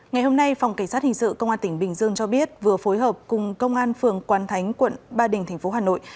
ngày hôm nay phòng cảnh sát hình sự công an tỉnh bình dương cho biết vừa phối hợp cùng công an phường quán thánh quận ba đình tp hà nội